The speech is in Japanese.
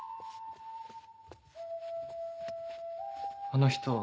あの人